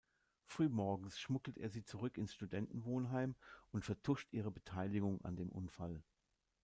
Frühmorgens schmuggelt er sie zurück ins Studentenwohnheim und vertuscht ihre Beteiligung an dem Unfall.